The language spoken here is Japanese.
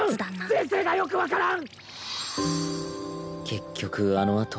人生がよく分からん！